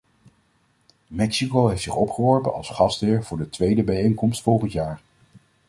Mexico heeft zich opgeworpen als gastheer voor de tweede bijeenkomst volgend jaar.